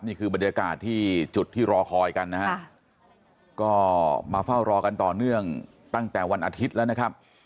นี่คือบรรยากาศที่จุดที่รอคอยกันนะฮะก็มาเฝ้ารอกันต่อเนื่องตั้งแต่วันอาทิตย์แล้วนะครับ